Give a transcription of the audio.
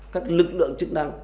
các lực lượng chức năng